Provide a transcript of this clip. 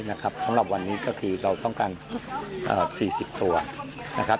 นะครับสำหรับวันนี้ก็คือเราต้องการเอ่อสี่สิบตัวนะครับ